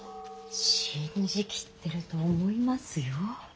信じ切ってると思いますよ。